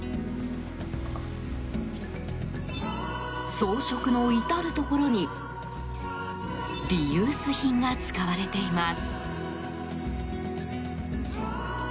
装飾の至るところにリユース品が使われています。